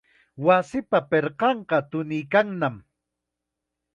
Wasipa pirqanqa tuniykannam.